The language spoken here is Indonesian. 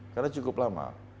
karena cukup lama